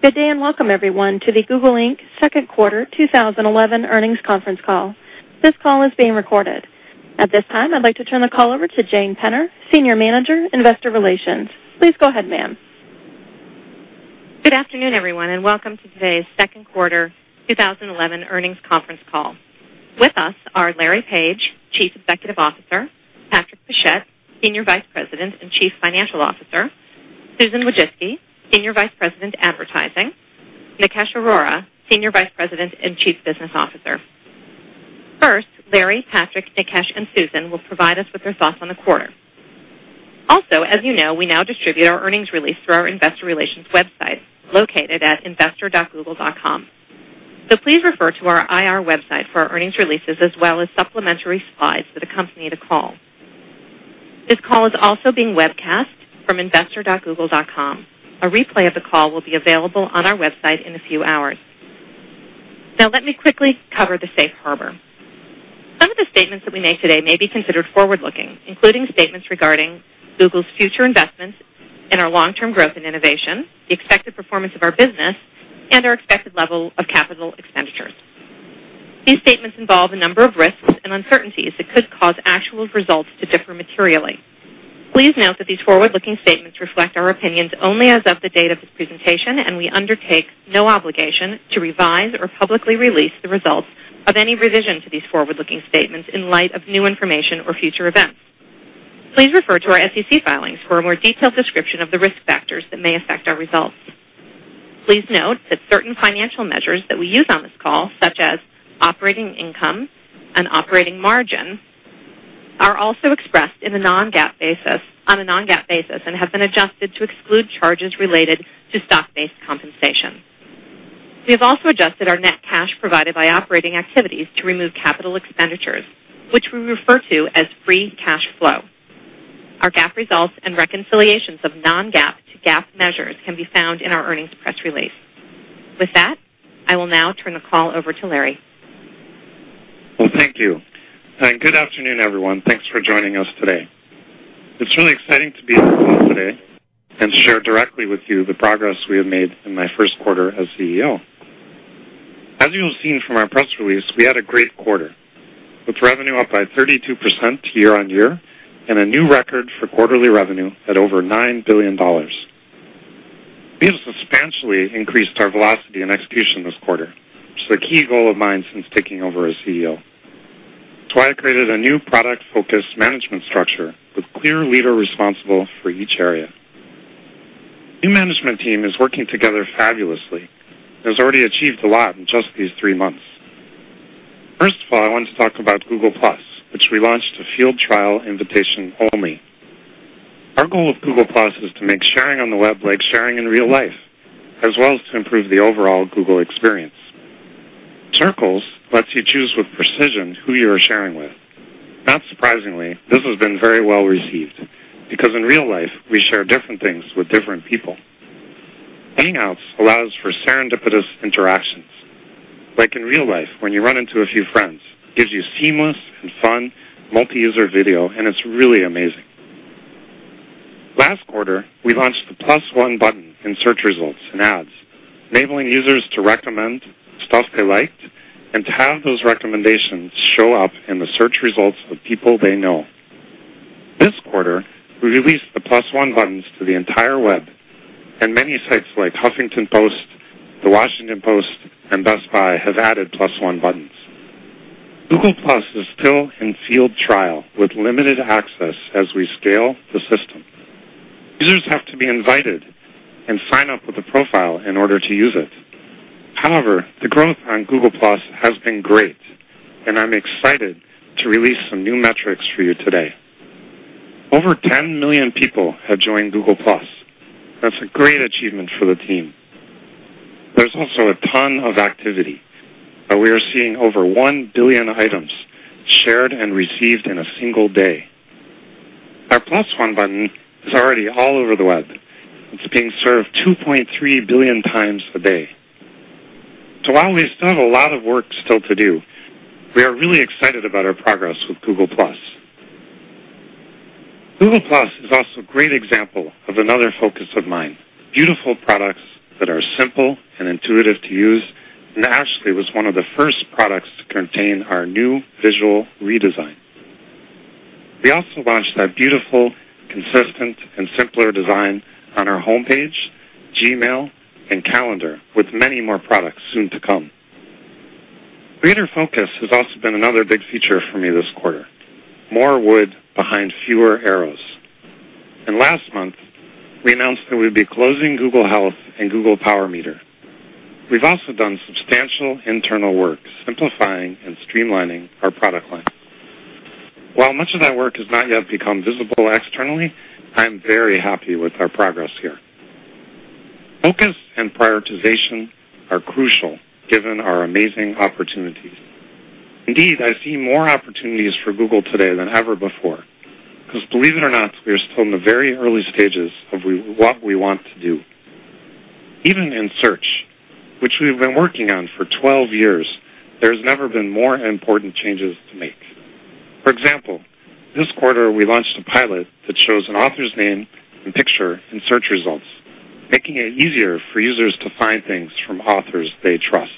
Good day and welcome, everyone, to the Google, Inc second quarter 2011 earnings conference call. This call is being recorded. At this time, I'd like to turn the call over to Jane Penner, Senior Manager, Investor Relations. Please go ahead, ma'am. Good afternoon, everyone, and welcome to today's qecond Quarter 2011 earnings conference call. With us are Larry Page, Chief Executive Officer; Patrick Pichette, Senior Vice President and Chief Financial Officer; Susan Wojcicki, Senior Vice President Advertising; Nikesh Arora, Senior Vice President and Chief Business Officer. First, Larry, Patrick, Nikesh, and Susan will provide us with their thoughts on the quarter. As you know, we now distribute our Earnings Release through our Investor Relations website, located at investor.google.com. Please refer to our IR website for our Earnings Releases, as well as supplementary slides that accompany the call. This call is also being webcast from investor.google.com. A replay of the call will be available on our website in a few hours. Now, let me quickly cover the safe harbor. Some of the statements that we make today may be considered forward-looking, including statements regarding Google's future investments in our long-term growth and innovation, the expected performance of our business, and our expected level of capital expenditures. These statements involve a number of risks and uncertainties that could cause actual results to differ materially. Please note that these forward-looking statements reflect our opinions only as of the date of this presentation, and we undertake no obligation to revise or publicly release the results of any revision to these forward-looking statements in light of new information or future events. Please refer to our SEC filings for a more detailed description of the risk factors that may affect our results. Please note that certain financial measures that we use on this call, such as operating income and operating margin, are also expressed on a non-GAAP basis and have been adjusted to exclude charges related to stock-based compensation. We have also adjusted our net cash provided by operating activities to remove capital expenditures, which we refer to as free cash flow. Our GAAP results and reconciliations of non-GAAP to GAAP measures can be found in our earnings press release. With that, I will now turn the call over to Larry. Thank you, and good afternoon, everyone. Thanks for joining us today. It's really exciting to be in the room today and share directly with you the progress we have made in my first quarter as CEO. As you have seen from our Press Release, we had a great quarter, with revenue up by 32% year-on-year and a new record for quarterly revenue at over $9 billion. We have substantially increased our velocity in execution this quarter, which is a key goal of mine since taking over as CEO. That's why I created a new product-focused management structure with clear leaders responsible for each area. The management team is working together fabulously and has already achieved a lot in just these three months. First of all, I want to talk about Google+, which we launched as a field trial invitation only. Our goal of Google+ is to make sharing on the web like sharing in real life, as well as to improve the overall Google experience. Circles lets you choose with precision who you are sharing with. Not surprisingly, this has been very well-received, because in real life, we share different things with different people. Hangouts allow for serendipitous interactions, like in real life, when you run into a few friends. It gives you seamless and fun multi-user video, and it's really amazing. Last quarter, we launched the +1 button in search results and ads, enabling users to recommend stuff they liked and to have those recommendations show up in the search results of people they know. This quarter, we released the +1 buttons to the entire web, and many sites like Huffington Post, The Washington Post, and Best Buy have added +1 buttons. Google+ is still in field trial with limited access as we scale the system. Users have to be invited and sign up with a profile in order to use it. However, the growth on Google+ has been great, and I'm excited to release some new metrics for you today. Over 10 million people have joined Google+. That's a great achievement for the team. There's also a ton of activity. We are seeing over 1 billion items shared and received in a single day. Our +1 button is already all over the web. It's being served 2.3x billion a day. While we still have a lot of work still to do, we are really excited about our progress with Google+. Google+ is also a great example of another focus of mine, beautiful products that are simple and intuitive to use. Actually, it was one of the first products to contain our new visual redesign. We also launched that beautiful, consistent, and simpler design on our homepage, Gmail, and Calendar, with many more products soon to come. Greater focus has also been another big feature for me this quarter. More wood behind fewer arrows. Last month, we announced that we'd be closing Google Health and Google PowerMeter. We've also done substantial internal work, simplifying and streamlining our product line. While much of that work has not yet become visible externally, I'm very happy with our progress here. Focus and prioritization are crucial, given our amazing opportunities. Indeed, I see more opportunities for Google today than ever before, because believe it or not, we are still in the very early stages of what we want to do. Even in Search, which we've been working on for 12 years, there's never been more important changes to make. For example, this quarter, we launched a pilot that shows an author's name and picture in search results, making it easier for users to find things from authors they trust.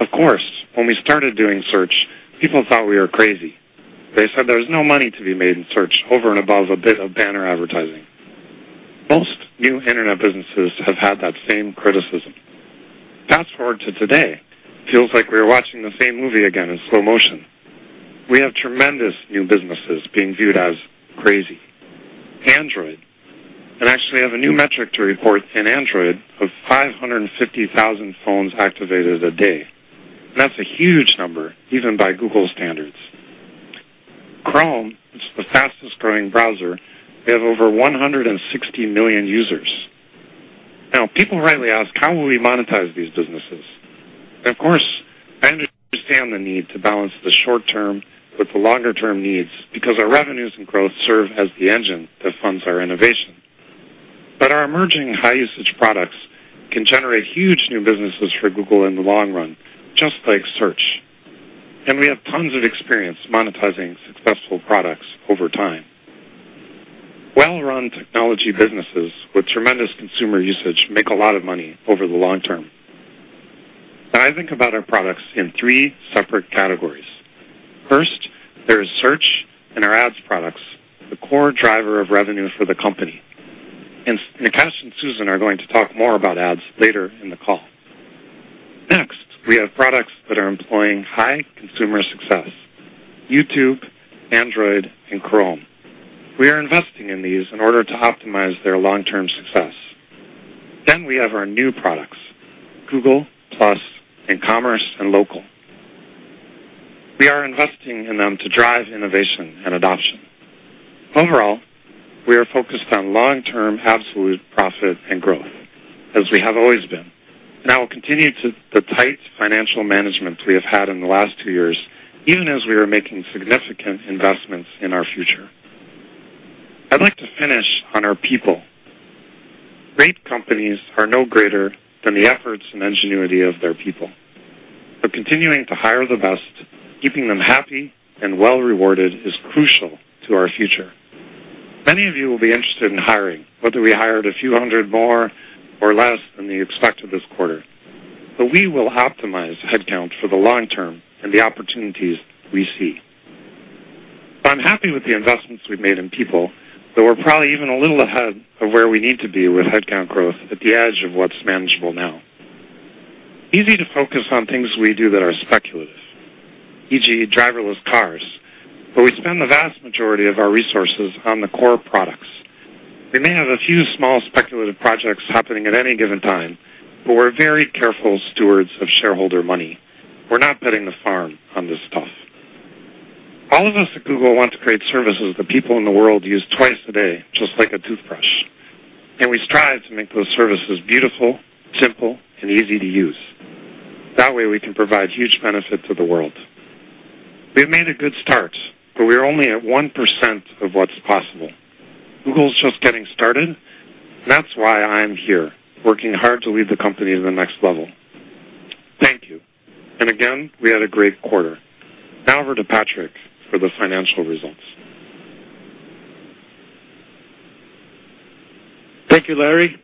Of course, when we started doing Search, people thought we were crazy. They said there's no money to be made in Search over and above a bit of banner advertising. Most new Internet businesses have had that same criticism. Fast forward to today, it feels like we are watching the same movie again in slow motion. We have tremendous new businesses being viewed as crazy. Android, and actually, we have a new metric to report in Android of 550,000 phones activated a day. That's a huge number, even by Google standards. Chrome, which is the fastest growing browser, has over 160 million users. Now, people rightly ask, how will we monetize these businesses? Of course, I understand the need to balance the short-term with the longer-term needs, because our revenues and growth serve as the engine that funds our innovation. Our emerging high-usage products can generate huge new businesses for Google in the long run, just like search. We have tons of experience monetizing successful products over time. Well-run technology businesses with tremendous consumer usage make a lot of money over the long term. I think about our products in three separate categories. First, there's Search and our ads products, the core driver of revenue for the company. Nikesh and Susan are going to talk more about ads later in the call. Next, we have products that are employing high consumer success: YouTube, Android, and Chrome. We are investing in these in order to optimize their long-term success. We have our new products: Google+, E-commerce, and Local. We are investing in them to drive innovation and adoption. Overall, we are focused on long-term absolute profit and growth, as we have always been. I will continue the tight financial management we have had in the last two years, even as we are making significant investments in our future. I'd like to finish on our people. Great companies are no greater than the efforts and ingenuity of their people. Continuing to hire the best, keeping them happy and well-rewarded, is crucial to our future. Many of you will be interested in hiring, whether we hired a few hundred more or less than we expected this quarter. We will optimize headcount for the long term and the opportunities we see. I'm happy with the investments we've made in people, though we're probably even a little ahead of where we need to be with headcount growth at the edge of what's manageable now. It is easy to focus on things we do that are speculative, e.g., driverless cars. We spend the vast majority of our resources on the core products. We may have a few small speculative projects happening at any given time, but we're very careful stewards of shareholder money. We're not putting the farm on this stuff. All of us at Google want to create services that people in the world use twice a day, just like a toothbrush. We strive to make those services beautiful, simple, and easy to use. That way, we can provide huge benefit to the world. We've made a good start, but we're only at 1% of what's possible. Google's just getting started, and that's why I'm here, working hard to lead the company to the next level. Thank you. We had a great quarter. Now over to Patrick for the financial results. Thank you, Larry.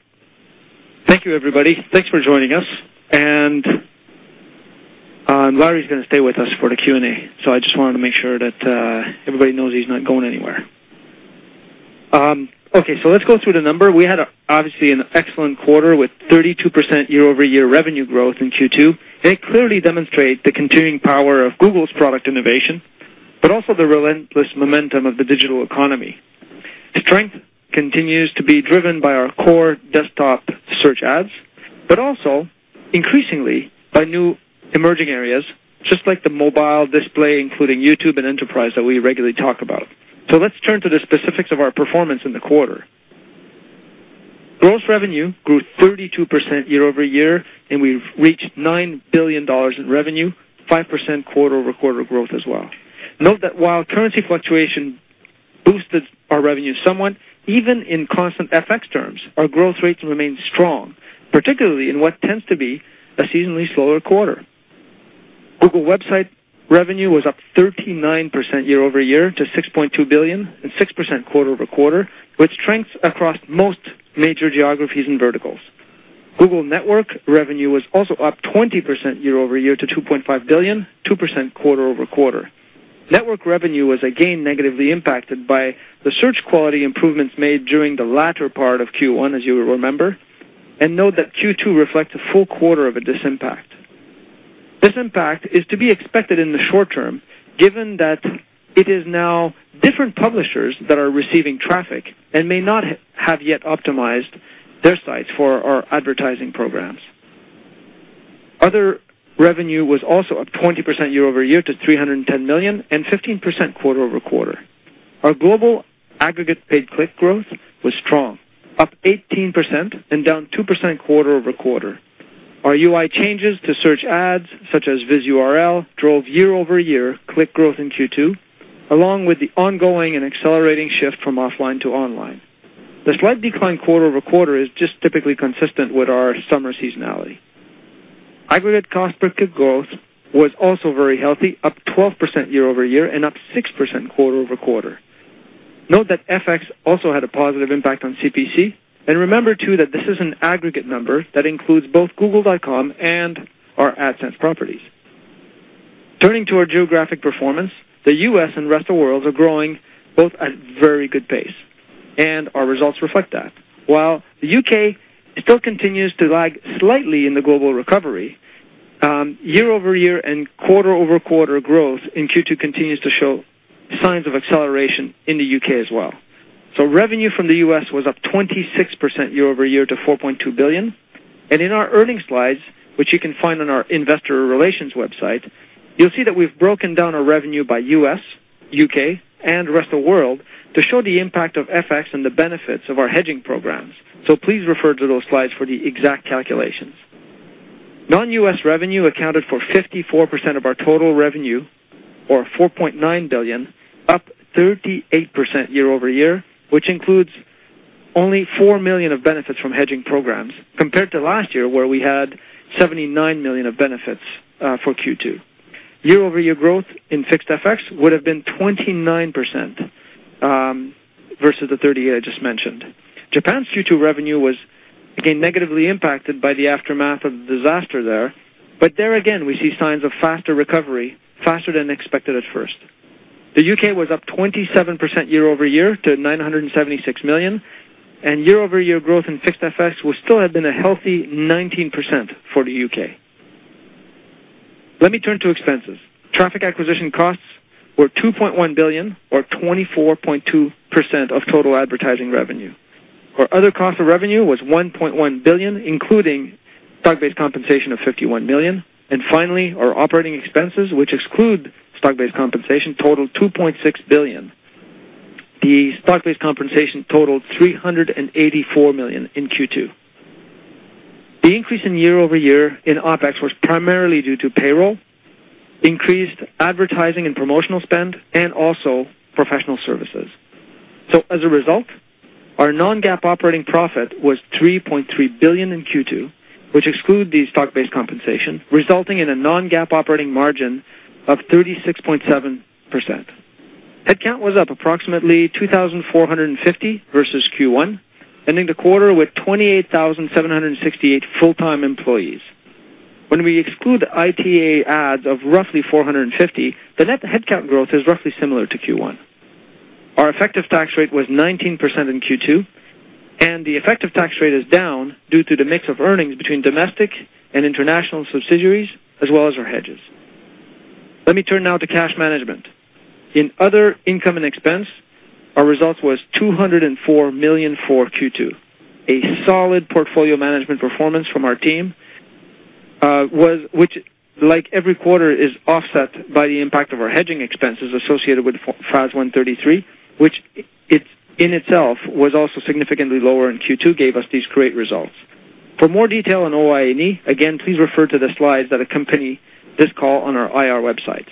Thank you, everybody. Thanks for joining us. Larry's going to stay with us for the Q&A. I just wanted to make sure that everybody knows he's not going anywhere. OK, let's go through the numbers. We had, obviously, an excellent quarter with 32% year-over-year revenue growth in Q2. It clearly demonstrates the continuing power of Google's product innovation, but also the relentless momentum of the digital economy. Strength continues to be driven by our core desktop search ads, but also, increasingly, by new emerging areas, just like the mobile display, including YouTube and enterprise that we regularly talk about. Let's turn to the specifics of our performance in the quarter. Gross revenue grew 32% year-over-year, and we reached $9 billion in revenue, 5% quarter-over-quarter growth as well. Note that while currency fluctuation boosted our revenue somewhat, even in constant FX terms, our growth rates remained strong, particularly in what tends to be a seasonally slower quarter. Google website revenue was up 39% year-over-year to $6.2 billion and 6% quarter-over-quarter, with strength across most major geographies and verticals. Google network revenue was also up 20% year-over-year to $2.5 billion, 2% quarter-over-quarter. Network revenue was again negatively impacted by the search quality improvements made during the latter part of Q1, as you will remember. Q2 reflects a full quarter of this impact. This impact is to be expected in the short-term, given that it is now different publishers that are receiving traffic and may not have yet optimized their sites for our advertising programs. Other revenue was also up 20% year-over-year to $310 million and 15% quarter-over-quarter. Our global aggregate paid click growth was strong, up 18% and down 2% quarter-over-quarter. Our UI changes to search ads, such as vis URL, drove year-over-year click growth in Q2, along with the ongoing and accelerating shift from offline to online. The slight decline quarter-over-quarter is just typically consistent with our summer seasonality. Aggregate cost per click growth was also very healthy, up 12% year-over-year and up 6% quarter-over-quarter. Note that FX also had a positive impact on CPC. Remember, too, that this is an aggregate number that includes both Google.com and our AdSense properties. Turning to our geographic performance, the U.S. and the rest of the world are growing both at a very good pace. Our results reflect that. While the U.K. still continues to lag slightly in the global recovery, year-over-year and quarter-over-quarter growth in Q2 continues to show signs of acceleration in the U.K. as well. Revenue from the U.S. was up 26% year-over-year to $4.2 billion. In our earnings slides, which you can find on our Investor Relations website, you'll see that we've broken down our revenue by U.S., U.K., and the rest of the world to show the impact of FX and the benefits of our hedging programs. Please refer to those slides for the exact calculations. Non-U.S. revenue accounted for 54% of our total revenue, or $4.9 billion, up 38% year-over-year, which includes only $4 million of benefits from hedging programs, compared to last year, where we had $79 million of benefits for Q2. Year-over-year growth in fixed FX would have been 29% versus the 38% I just mentioned. Japan's Q2 revenue was, again, negatively impacted by the aftermath of the disaster there. There again, we see signs of faster recovery, faster than expected at first. The U.K. was up 27% year-over-year to $976 million. Year-over-year growth in fixed FX still had been a healthy 19% for the U.K.. Let me turn to expenses. Traffic acquisition costs were $2.1 billion, or 24.2% of total advertising revenue. Our other cost of revenue was $1.1 billion, including stock-based compensation of $51 million. Finally, our operating expenses, which exclude stock-based compensation, totaled $2.6 billion. The stock-based compensation totaled $384 million in Q2. The increase year-over-year in OpEx was primarily due to payroll, increased advertising and promotional spend, and also professional services. As a result, our non-GAAP operating profit was $3.3 billion in Q2, which excludes the stock-based compensation, resulting in a non-GAAP operating margin of 36.7%. Headcount was up approximately 2,450 versus Q1, ending the quarter with 28,768 full-time employees. When we exclude the ITA ads of roughly 450, the net headcount growth is roughly similar to Q1. Our effective tax rate was 19% in Q2. The effective tax rate is down due to the mix of earnings between domestic and international subsidiaries, as well as our hedges. Let me turn now to cash management. In other income and expense, our results were $204 million for Q2, a solid portfolio management performance from our team, which, like every quarter, is offset by the impact of our hedging expenses associated with FAS 133, which in itself was also significantly lower in Q2, gave us these great results. For more detail on OI&E, again, please refer to the slides that accompany this call on our IR websites.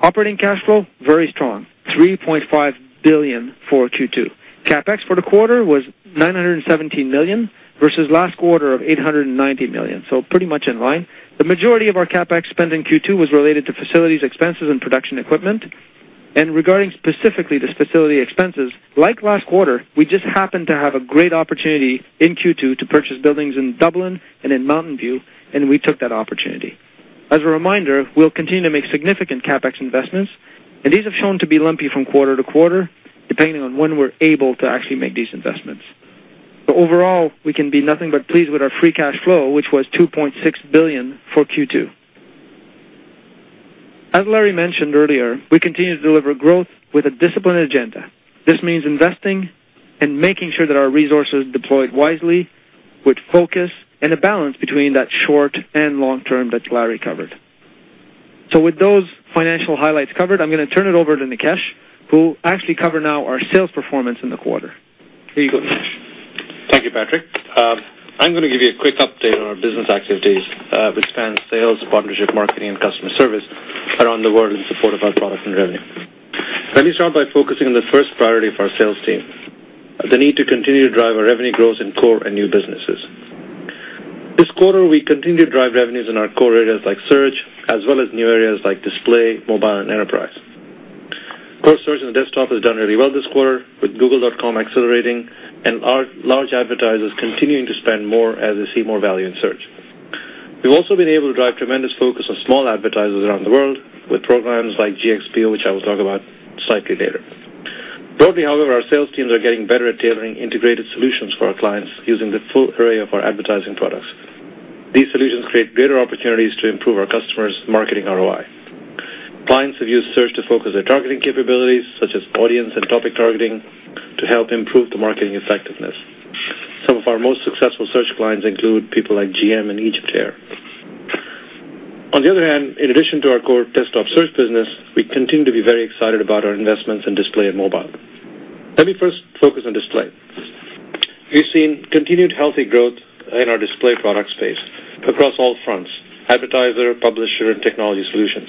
Operating cash flow, very strong, $3.5 billion for Q2. CapEx for the quarter was $917 million versus last quarter of $890 million, so pretty much in line. The majority of our CapEx spend in Q2 was related to facilities expenses and production equipment. Regarding specifically the facility expenses, like last quarter, we just happened to have a great opportunity in Q2 to purchase buildings in Dublin and in Mountain View, and we took that opportunity. As a reminder, we'll continue to make significant CapEx investments. These have shown to be lumpy from quarter-to-quarter, depending on when we're able to actually make these investments. Overall, we can be nothing but pleased with our free cash flow, which was $2.6 billion for Q2. As Larry mentioned earlier, we continue to deliver growth with a disciplined agenda. This means investing and making sure that our resources are deployed wisely, with focus and a balance between that short and long-term that Larry covered. With those financial highlights covered, I'm going to turn it over to Nikesh, who will actually cover now our sales performance in the quarter. Here you go, Nikesh. Thank you, Patrick. I'm going to give you a quick update on our business activities, which spans sales, partnership marketing, and customer service around the world in support of our product and revenue. Let me start by focusing on the first priority for our sales team, the need to continue to drive our revenue growth in core and new businesses. This quarter, we continue to drive revenues in our core areas like Search, as well as new areas like Display, Mobile, and Enterprise. Core Search and Desktop has done really well this quarter, with Google.com accelerating and large advertisers continuing to spend more as they see more value in search. We've also been able to drive tremendous focus on small advertisers around the world, with programs like GxP, which I will talk about slightly later. Broadly, however, our sales teams are getting better at tailoring integrated solutions for our clients using the full array of our advertising products. These solutions create greater opportunities to improve our customers' marketing ROI. Clients have used search to focus their targeting capabilities, such as audience and topic targeting, to help improve the marketing effectiveness. Some of our most successful search clients include people like GM and Egyptair. In addition to our core Desktop Search business, we continue to be very excited about our investments in Display and Mobile. Let me first focus on Display. We've seen continued healthy growth in our Display product space across all fronts: advertiser, publisher, and technology solutions.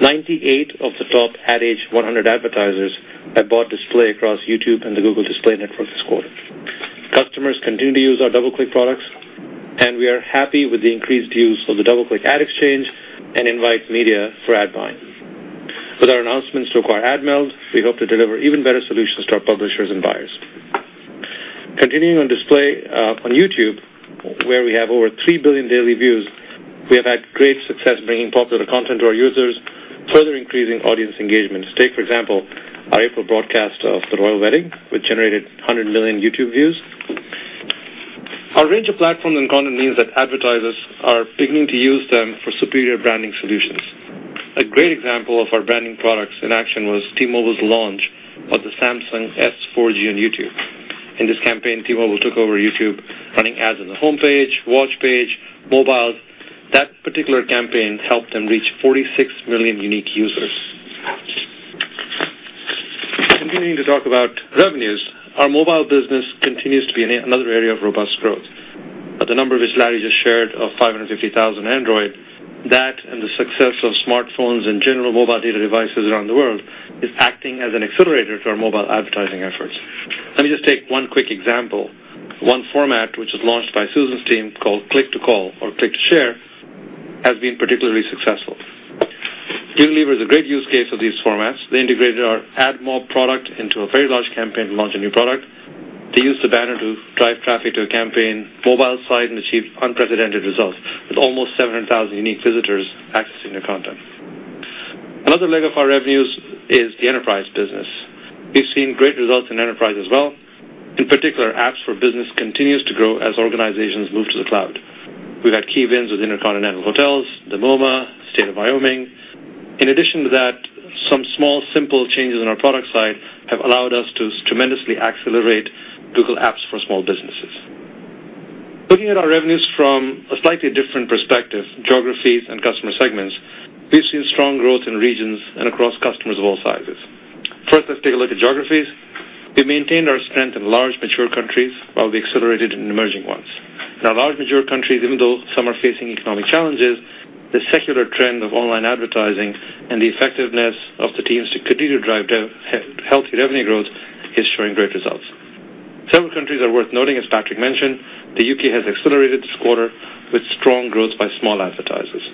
98 of the top Ad Age 100 advertisers have bought Display across YouTube and the Google Display Network this quarter. Customers continue to use our DoubleClick products, and we are happy with the increased use of the DoubleClick Ad Exchange and Invite Media for ad buying. With our announcements to acquire Admeld, we hope to deliver even better solutions to our publishers and buyers. Continuing on Display, on YouTube, where we have over 3 billion daily views, we have had great success bringing popular content to our users, further increasing audience engagement. Take, for example, our April broadcast of the royal wedding, which generated 100 million YouTube views. Our range of platforms and content means that advertisers are beginning to use them for superior branding solutions. A great example of our branding products in action was T-Mobile's launch of the Samsung S 4G on YouTube. In this campaign, T-Mobile took over YouTube, running ads on the home page, watch page, and mobile. That particular campaign helped them reach 46 million unique users. Continuing to talk about revenues, our mobile business continues to be in another area of robust growth. The number which Larry just shared of 550,000 Android, that and the success of smartphones and general mobile data devices around the world is acting as an accelerator to our mobile advertising efforts. Let me just take one quick example. One format which was launched by Susan's team, called click-to-call or click-to-share, has been particularly successful. Team Leaver is a great use case of these formats. They integrated our AdMob product into a very large campaign to launch a new product. They used the banner to drive traffic to a campaign mobile site and achieved unprecedented results, with almost 700,000 unique visitors accessing their content. Another leg of our revenues is the enterprise business. We've seen great results in enterprise as well. In particular, Google Apps for Business continues to grow as organizations move to the cloud. We've had key wins with InterContinental Hotels, the MoMA, and State of Wyoming. In addition to that, some small, simple changes in our product side have allowed us to tremendously accelerate Google Apps for Small Businesses. Looking at our revenues from a slightly different perspective, geographies and customer segments, we've seen strong growth in regions and across customers of all sizes. First, let's take a look at geographies. We maintained our strength in large mature countries while we accelerated in emerging ones. In our large mature countries, even though some are facing economic challenges, the secular trend of online advertising and the effectiveness of the teams to continue to drive healthy revenue growth is showing great results. Several countries are worth noting, as Patrick mentioned. The U.K. has accelerated this quarter with strong growth by small advertisers.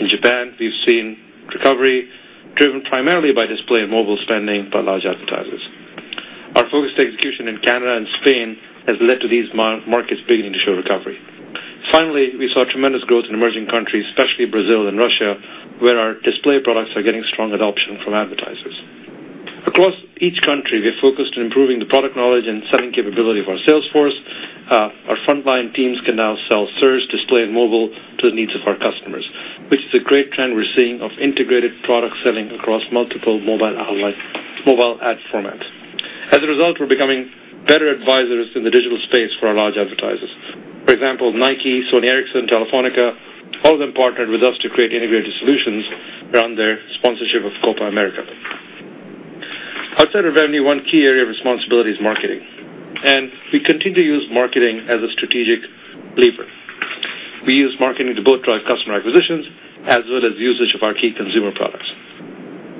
In Japan, we've seen recovery, driven primarily by display and mobile spending by large advertisers. Our focused execution in Canada and Spain has led to these markets beginning to show recovery. Finally, we saw tremendous growth in emerging countries, especially Brazil and Russia, where our display products are getting strong adoption from advertisers. Across each country, we're focused on improving the product knowledge and selling capability of our sales force. Our frontline teams can now sell Search, Display, and Mobile to the needs of our customers, which is a great trend we're seeing of integrated product selling across multiple mobile ad formats. As a result, we're becoming better advisors in the digital space for our large advertisers. For example, Nike, Sony Ericsson, and Telefónica, all of them partnered with us to create integrated solutions around their sponsorship of Copa America. Outside of revenue, one key area of responsibility is marketing. We continue to use marketing as a strategic lever. We use marketing to both drive customer acquisitions, as well as usage of our key consumer products.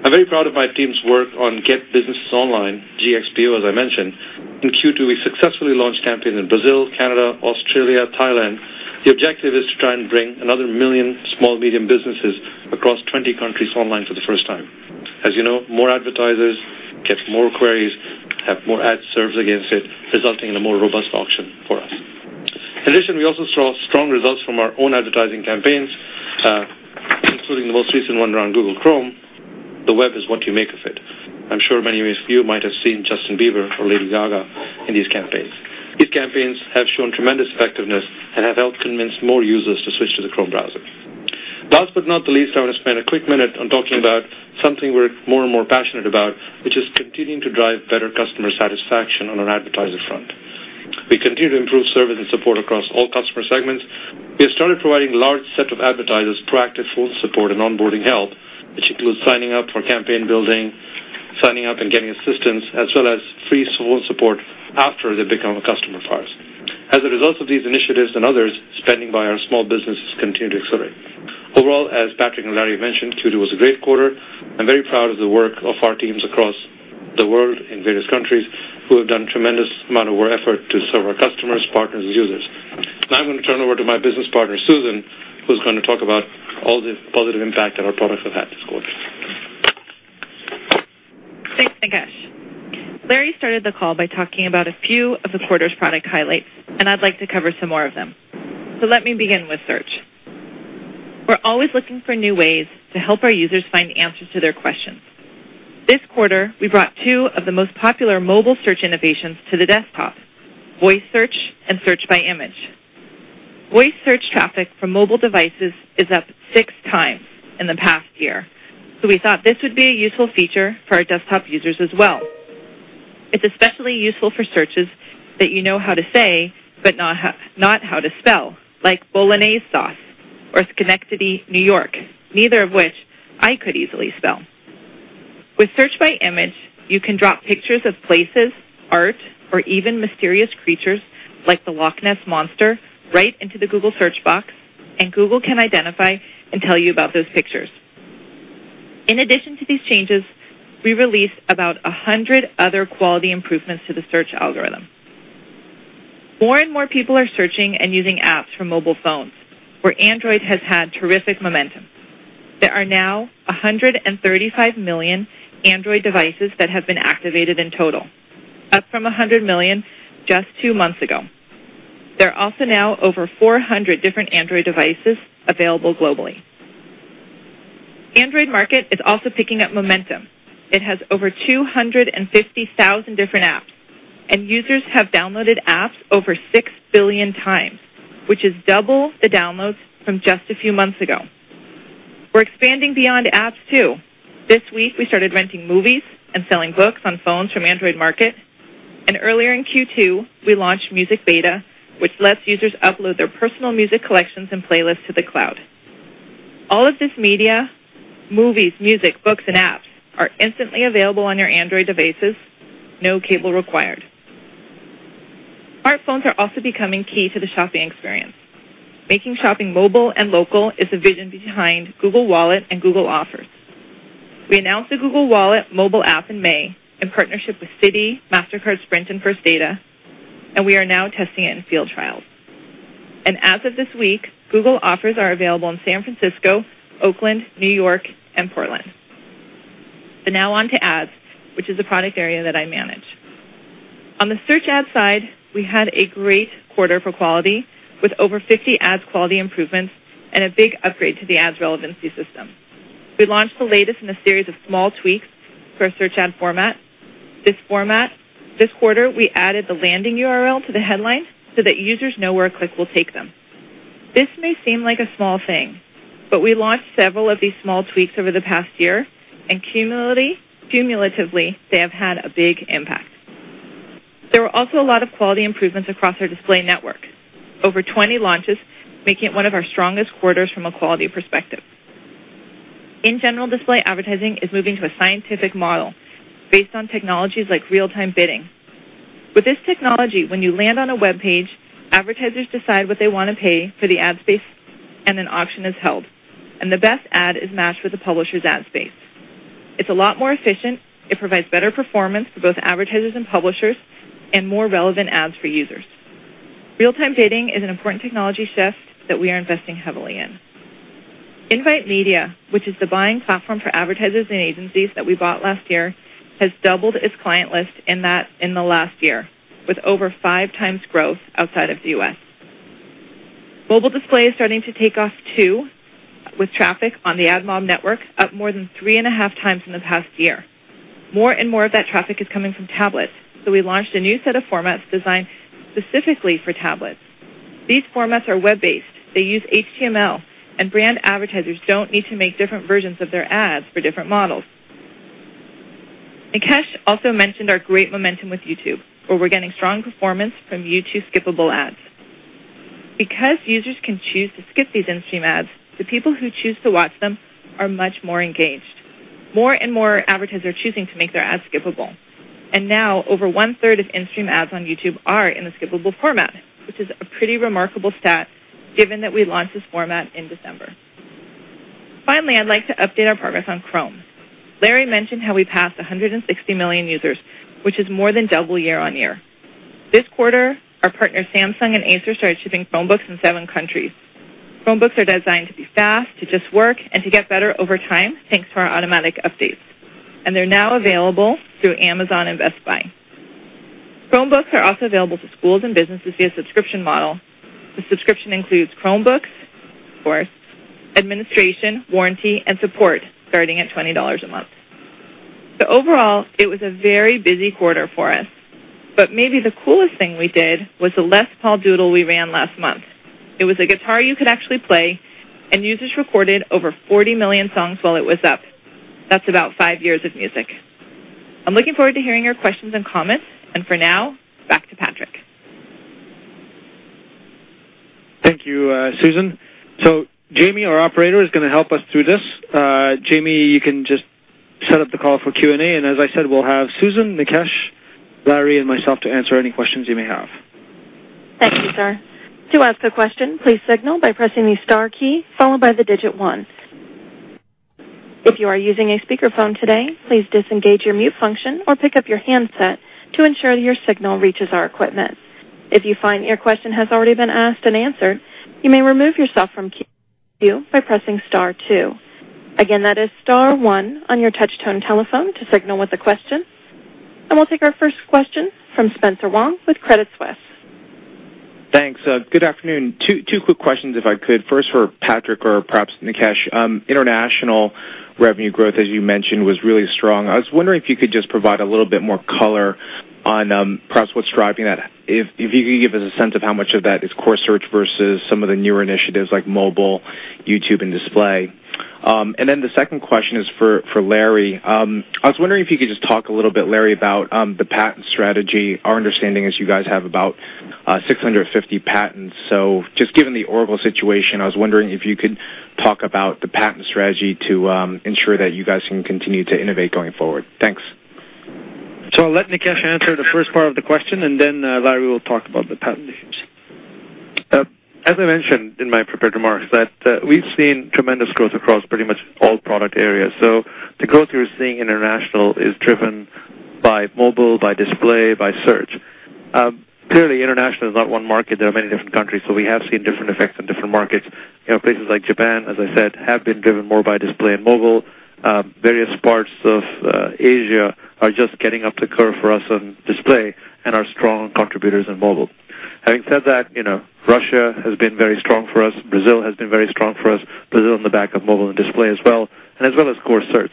I'm very proud of my team's work on Get Businesses Online, GxP, as I mentioned. In Q2, we successfully launched campaigns in Brazil, Canada, Australia, and Thailand. The objective is to try and bring another million small and medium businesses across 20 countries online for the first time. As you know, more advertisers get more queries, have more ads served against it, resulting in a more robust auction for us. In addition, we also saw strong results from our own advertising campaigns, including the most recent one around Google Chrome. The web is what you make of it. I'm sure many of you might have seen Justin Bieber or Lady Gaga in these campaigns. These campaigns have shown tremendous effectiveness and have helped convince more users to switch to the Chrome browser. Last but not the least, I want to spend a quick minute on talking about something we're more and more passionate about, which is continuing to drive better customer satisfaction on our advertiser front. We continue to improve service and support across all customer segments. We have started providing a large set of advertisers proactive phone support and onboarding help, which includes signing up for campaign building, signing up and getting assistance, as well as free phone support after they become a customer of ours. As a result of these initiatives and others, spending by our small businesses continues to accelerate. Overall, as Patrick and Larry mentioned, Q2 was a great quarter. I'm very proud of the work of our teams across the world in various countries, who have done a tremendous amount of work to serve our customers, partners, and users. I'm going to turn it over to my business partner, Susan, who is going to talk about all the positive impact that our products have had this quarter. Thanks, Nikesh. Larry started the call by talking about a few of the quarter's product highlights, and I'd like to cover some more of them. Let me begin with Search. We're always looking for new ways to help our users find answers to their questions. This quarter, we brought two of the most popular mobile search innovations to the desktop: Voice Search and Search by Image. Voice Search traffic from mobile devices is up 6x in the past year. We thought this would be a useful feature for our desktop users as well. It's especially useful for searches that you know how to say but not how to spell, like Bolognese sauce or Schenectady, New York, neither of which I could easily spell. With Search by Image, you can drop pictures of places, art, or even mysterious creatures, like the Loch Ness Monster, right into the Google Search Box, and Google can identify and tell you about those pictures. In addition to these changes, we released about 100 other quality improvements to the search algorithm. More and more people are searching and using apps for mobile phones, where Android has had terrific momentum. There are now 135 million Android devices that have been activated in total, up from 100 million just two months ago. There are also now over 400 different Android devices available globally. The Android market is also picking up momentum. It has over 250,000 different apps, and users have downloaded apps over 6x billion, which is double the downloads from just a few months ago. We're expanding beyond apps, too. This week, we started renting movies and selling books on phones from the Android market. Earlier in Q2, we launched Music Beta, which lets users upload their personal music collections and playlists to the cloud. All of this media—movies, music, books, and apps—are instantly available on your Android devices, no cable required. Smartphones are also becoming key to the shopping experience. Making shopping mobile and local is the vision behind Google Wallet and Google Offers. We announced the Google Wallet mobile app in May in partnership with Citi, MasterCard, Sprint, and First Data. We are now testing it in field trials. As of this week, Google Offers are available in San Francisco, Oakland, New York, and Portland. Now on to ads, which is a product area that I manage. On the search ad side, we had a great quarter for quality, with over 50 ads quality improvements and a big upgrade to the ads relevancy system. We launched the latest in a series of small tweaks for our search ad format. This quarter, we added the landing URL to the headline so that users know where a click will take them. This may seem like a small thing, but we launched several of these small tweaks over the past year, and cumulatively, they have had a big impact. There were also a lot of quality improvements across our display network, over 20 launches, making it one of our strongest quarters from a quality perspective. In general, display advertising is moving to a scientific model based on technologies like real-time bidding. With this technology, when you land on a web page, advertisers decide what they want to pay for the ad space, and an auction is held. The best ad is matched with the publisher's ad space. It's a lot more efficient. It provides better performance for both advertisers and publishers and more relevant ads for users. Real-time bidding is an important technology shift that we are investing heavily in. Invite Media, which is the buying platform for advertisers and agencies that we bought last year, has doubled its client list in the last year, with over 5x growth outside of the U.S. Mobile display is starting to take off, too, with traffic on the AdMob network up more than 3.5x in the past year. More and more of that traffic is coming from tablets. We launched a new set of formats designed specifically for tablets. These formats are web-based. They use HTML, and brand advertisers don't need to make different versions of their ads for different models. Nikesh also mentioned our great momentum with YouTube, where we're getting strong performance from YouTube skippable ads. Because users can choose to skip these in-stream ads, the people who choose to watch them are much more engaged. More and more advertisers are choosing to make their ads skippable, and now, over 1/3 of in-stream ads on YouTube are in the skippable format, which is a pretty remarkable stat, given that we launched this format in December. Finally, I'd like to update our progress on Chrome. Larry mentioned how we passed 160 million users, which is more than double year-on-year. This quarter, our partners Samsung and Acer started shipping Chromebooks in seven countries. Chromebooks are designed to be fast, to just work, and to get better over time, thanks to our automatic updates. They're now available through Amazon and Best Buy. Chromebooks are also available to schools and businesses via a subscription model. The subscription includes Chromebooks, course, administration, warranty, and support, starting at $20 a month. Overall, it was a very busy quarter for us. Maybe the coolest thing we did was the Les Paul Doodle we ran last month. It was a guitar you could actually play, and users recorded over 40 million songs while it was up. That's about five years of music. I'm looking forward to hearing your questions and comments. For now, back to Patrick. Thank you, Susan. Jamie, our operator, is going to help us through this. Jamie, you can just set up the call for Q&A. As I said, we'll have Susan, Nikesh, Larry, and myself to answer any questions you may have. Thank you, sir. To ask a question, please signal by pressing the star key followed by the digit one. If you are using a speakerphone today, please disengage your mute function or pick up your handset to ensure that your signal reaches our equipment. If you find your question has already been asked and answered, you may remove yourself from the queue by pressing star two. Again, that is star one on your touch-tone telephone to signal with a question. We'll take our first question from Spencer Wang with Credit Suisse. Thanks. Good afternoon. Two quick questions, if I could. First for Patrick, or perhaps Nikesh. International revenue growth, as you mentioned, was really strong. I was wondering if you could just provide a little bit more color on perhaps what's driving that, if you could give us a sense of how much of that is core search versus some of the newer initiatives like Mobile, YouTube, and Display. The second question is for Larry. I was wondering if you could just talk a little bit, Larry, about the patent strategy, our understanding is you guys have about 650 patents. Just given the Oracle situation, I was wondering if you could talk about the patent strategy to ensure that you guys can continue to innovate going forward. Thanks. I'll let Nikesh answer the first part of the question, and then Larry will talk about the patent issues. As I mentioned in my prepared remarks, we've seen tremendous growth across pretty much all product areas. The growth you're seeing international is driven by Mobile, by Display, by Search. Clearly, international is not one market. There are many different countries. We have seen different effects in different markets. Places like Japan, as I said, have been driven more by Display and Mobile. Various parts of Asia are just getting up to curve for us on Display and are strong contributors in Mobile. Having said that, Russia has been very strong for us. Brazil has been very strong for us, Brazil in the back of Mobile and Display as well, and as well as core Search.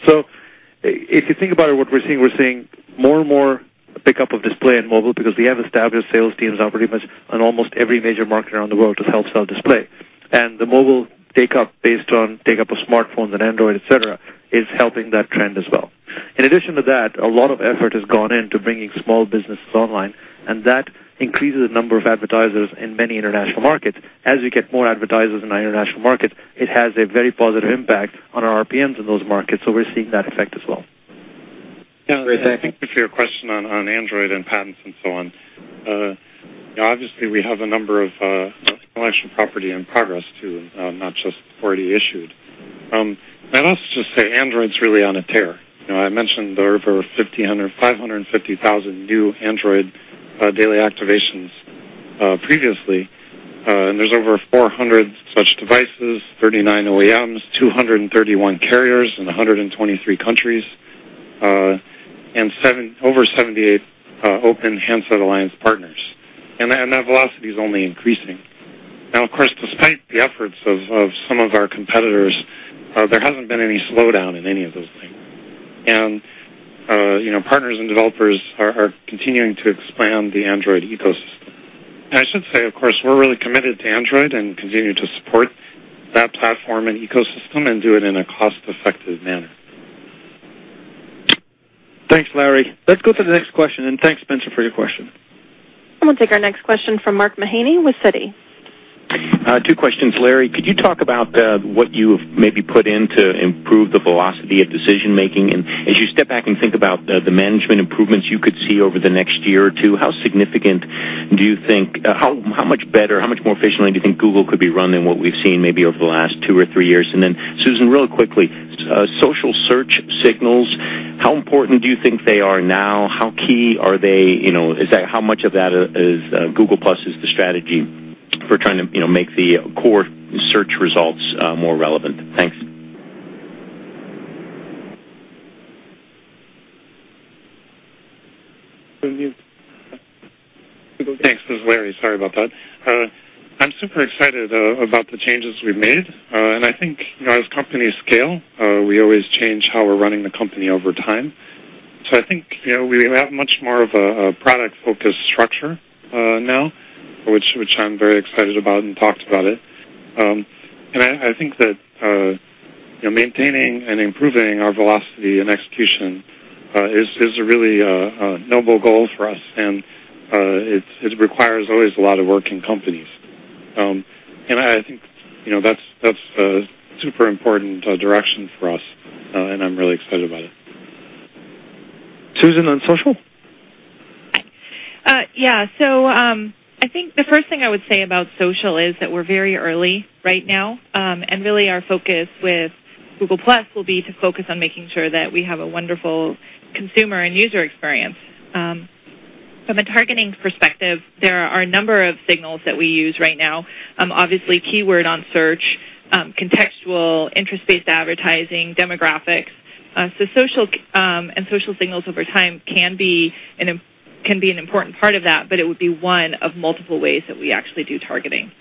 If you think about what we're seeing, we're seeing more and more pickup of Display and Mobile, because we have established sales teams operating in almost every major market around the world to help sell Display. The Mobile takeup, based on takeup of smartphones and Android, et cetera, is helping that trend as well. In addition to that, a lot of effort has gone into bringing small businesses online. That increases the number of advertisers in many international markets. As we get more advertisers in our international markets, it has a very positive impact on our RPMs in those markets. We're seeing that effect as well. Yeah, I think for your question on Android and patents and so on, obviously, we have a number of intellectual property in progress too, not just already issued. I'd also just say Android's really on a tear. I mentioned there are over 550,000 new Android daily activations previously. There's over 400 such devices, 39 OEMs, 231 carriers in 123 countries, and over 78 Open Handset Alliance partners. That velocity is only increasing. Of course, despite the efforts of some of our competitors, there hasn't been any slowdown in any of those things. Partners and developers are continuing to expand the Android ecosystem. I should say, of course, we're really committed to Android and continue to support that platform and ecosystem and do it in a cost-effective manner. Thanks, Larry. Let's go to the next question. Thanks, Spencer, for your question. I'm going to take our next question from Mark Mahaney with Citi. Two questions. Larry, could you talk about what you have maybe put in to improve the velocity of decision-making? As you step back and think about the management improvements you could see over the next year or two, how significant do you think, how much better, how much more efficiently do you think Google could be running what we've seen maybe over the last two or three years? Susan, real quickly, Social Search signals, how important do you think they are now? How key are they? How much of that is Google+ the strategy for trying to make the core search results more relevant? Thanks. I'm mute. Thanks, Larry. Sorry about that. I'm super excited about the changes we've made. I think, as companies scale, we always change how we're running the company over time. I think we have much more of a product-focused structure now, which I'm very excited about and talked about it. I think that maintaining and improving our velocity and execution is a really noble goal for us. It requires always a lot of work in companies. I think that's a super important direction for us. I'm really excited about it. Susan on Social? I think the first thing I would say about Social is that we're very early right now. Our focus with Google+ will be to focus on making sure that we have a wonderful consumer and user experience. From a targeting perspective, there are a number of signals that we use right now, obviously keyword on search, contextual, interest-based advertising, demographics. Social and social signals over time can be an important part of that. It would be one of multiple ways that we actually do targeting.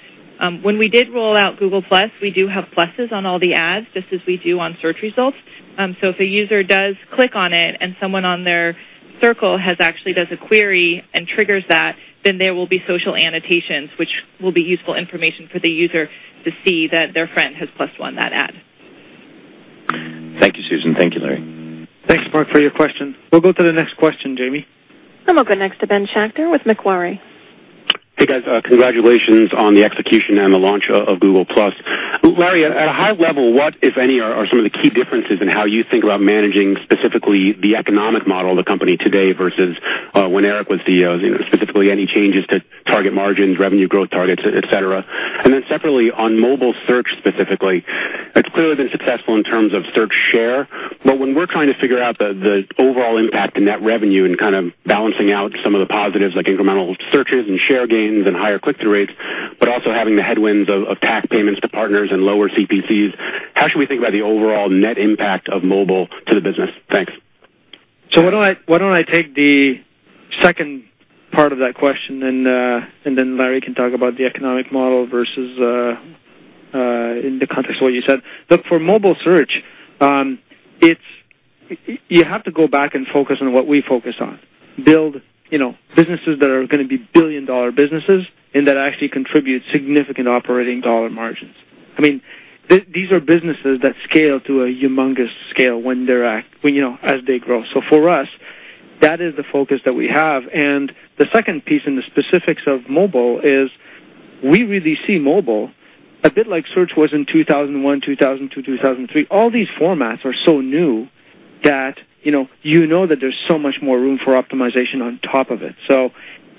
When we did roll out Google+, we do have pluses on all the ads, just as we do on search results. If a user does click on it and someone on their circle actually does a query and triggers that, there will be social annotations, which will be useful information for the user to see that their friend has +1 that ad. Thank you, Susan. Thank you, Larry. Thanks, Mark, for your question. We'll go to the next question, Jamie. I'm going to go next to Ben Schachter with Macquarie. Hey, guys. Congratulations on the execution and the launch of Google+. Larry, at a high level, what, if any, are some of the key differences in how you think about managing specifically the economic model of the company today versus when Eric was the CEO, specifically any changes to target margins, revenue growth targets, etc.? Then separately, on mobile search specifically, it's clearly been successful in terms of search share. When we're trying to figure out the overall impact to net revenue and kind of balancing out some of the positives, like incremental searches and share gains and higher click-through rates, but also having the headwinds of tax payments to partners and lower CPCs, how should we think about the overall net impact of mobile to the business? Thanks. Why don't I take the second part of that question? Larry can talk about the economic model versus in the context of what you said. Look, for Mobile search, you have to go back and focus on what we focus on, build businesses that are going to be billion-dollar businesses and that actually contribute significant operating dollar margins. These are businesses that scale to a humongous scale as they grow. For us, that is the focus that we have. The second piece in the specifics of Mobile is we really see Mobile a bit like Search was in 2001, 2002, 2003. All these formats are so new that you know that there's so much more room for optimization on top of it.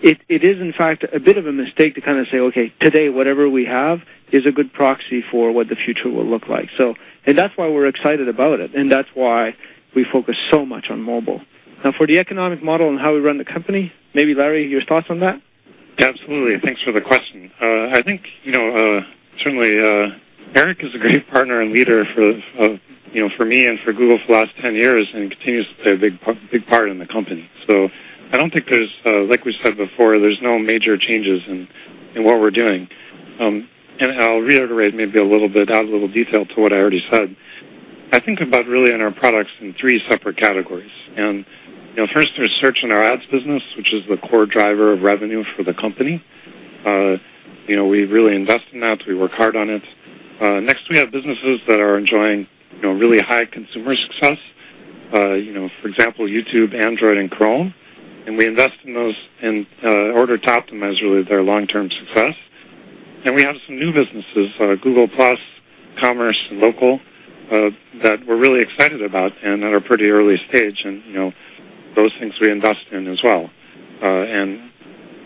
It is, in fact, a bit of a mistake to kind of say, OK, today, whatever we have is a good proxy for what the future will look like. That's why we're excited about it. That's why we focus so much on Mobile. Now, for the economic model and how we run the company, maybe, Larry, your thoughts on that? Absolutely. Thanks for the question. I think, you know, certainly, Eric is a great partner and leader for me and for Google for the last 10 years. He continues to play a big part in the company. I don't think there's, like we said before, there's no major changes in what we're doing. I'll reiterate maybe a little bit, add a little detail to what I already said. I think about really our products in three separate categories. First, there's search and our ads business, which is the core driver of revenue for the company. We really invest in that. We work hard on it. Next, we have businesses that are enjoying really high consumer success, for example, YouTube, Android, and Chrome. We invest in those in order to optimize really their long-term success. We have some new businesses, Google+, Commerce, and Local, that we're really excited about and that are pretty early stage. Those things we invest in as well.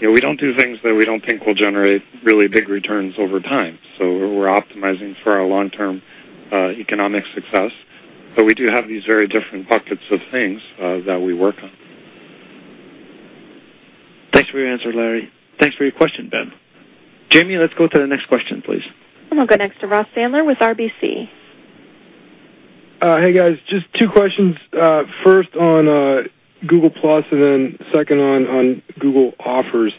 We don't do things that we don't think will generate really big returns over time. We're optimizing for our long-term economic success. We do have these very different buckets of things that we work on. Thanks for your answer, Larry. Thanks for your question, Ben. Jamie, let's go to the next question, please. I'm going to go next to Ross Sandler with RBC. Hey, guys. Just two questions. First on Google+ and then second on Google Offers.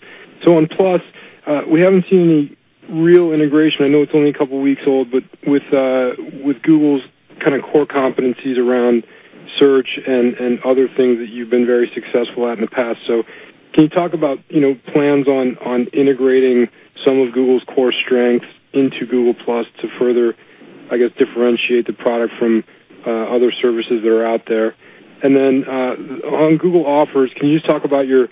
On Google+, we haven't seen any real integration. I know it's only a couple of weeks old, but with Google's kind of core competencies around search and other things that you've been very successful at in the past, can you talk about plans on integrating some of Google's core strengths into Google+ to further, I guess, differentiate the product from other services that are out there? On Google Offers, can you just talk about your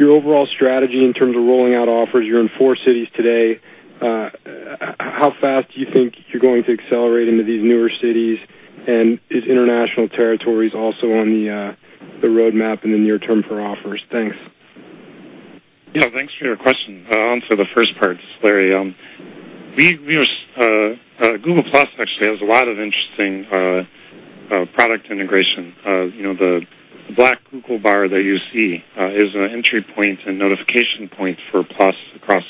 overall strategy in terms of rolling out Offers? You're in four cities today. How fast do you think you're going to accelerate into these newer cities? Is international territories also on the roadmap in the near term for Offers? Thanks. Yeah, thanks for your question. I'll answer the first part, Larry. Google+ actually has a lot of interesting product integration. The black Google bar that you see is an entry point and notification point for Google+ across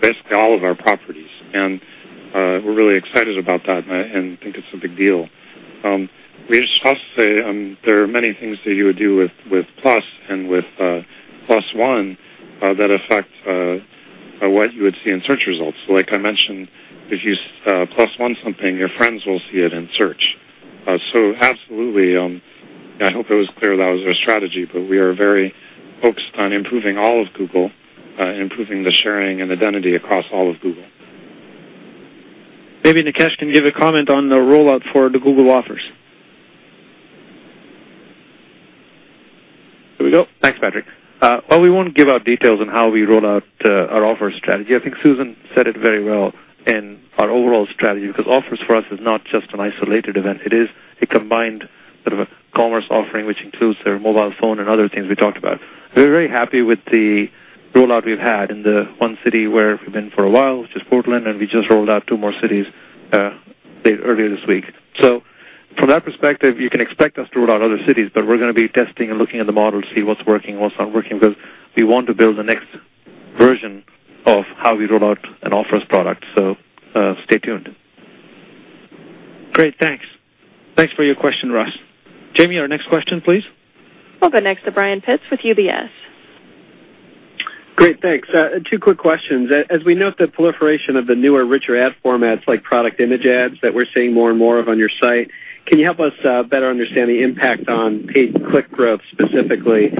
basically all of our properties. We're really excited about that and think it's a big deal. We should also say there are many things that you would do with Google+ and with +1 that affect what you would see in search results. Like I mentioned, if you +1 something, your friends will see it in search. Absolutely, I hope it was clear that was our strategy. We are very focused on improving all of Google and improving the sharing and identity across all of Google. Maybe Nikesh can give a comment on the rollout for the Google Offers. Here we go. Thanks, Patrick. We won't give out details on how we roll out our Offers strategy. I think Susan said it very well in our overall strategy, because Offers for us is not just an isolated event. It is a combined sort of a commerce offering, which includes their mobile phone and other things we talked about. We're very happy with the rollout we've had in the one city where we've been for a while, which is Portland. We just rolled out two more cities earlier this week. From that perspective, you can expect us to roll out other cities. We're going to be testing and looking at the model to see what's working and what's not working, because we want to build the next version of how we roll out an Offers product. Stay tuned. Great, thanks. Thanks for your question, Ross. Jamie, our next question, please. I'll go next to Brian Pitts with UBS. Great, thanks. Two quick questions. As we note the proliferation of the newer, richer ad formats, like product image ads that we're seeing more and more of on your site, can you help us better understand the impact on paid click growth specifically?